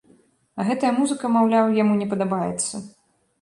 А гэтая музыка, маўляў, яму не падабаецца.